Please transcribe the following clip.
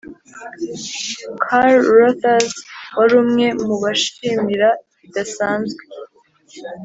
carruthers, wari umwe mubamushimira bidasanzwe,